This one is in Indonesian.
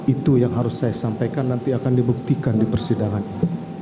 itu yang harus saya sampaikan nanti akan dibuktikan di persidangan ini